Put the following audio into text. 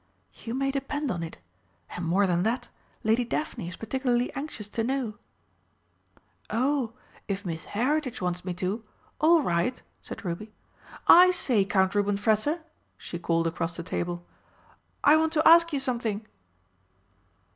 "You may depend on it. And more than that, Lady Daphne is particularly anxious to know." "Oh, if Miss Heritage wants me to, all right!" said Ruby. "I say, Count Rubenfresser," she called across the table, "I want to ask you something."